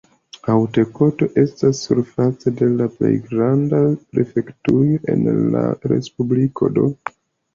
Haute-Kotto estas surface la plej granda prefektujo en la respubliko do.